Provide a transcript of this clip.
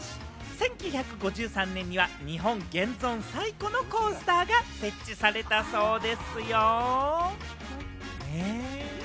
１９５３年には日本現存最古のコースターが設置されたそうですよ。